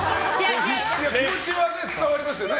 気持ちは伝わりましたよね。